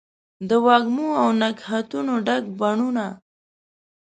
د وږمو او نګهتونو ډک بڼوڼه